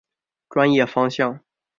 专业方向。